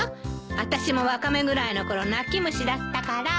あたしもワカメぐらいの頃泣き虫だったから。